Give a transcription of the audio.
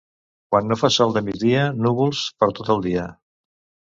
Quan no fa sol de migdia, núvols per tot el dia.